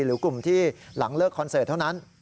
หรือกลุ่มที่หลังเลิกคอนเสิร์ตเท่านั้น